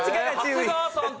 長谷川さんと？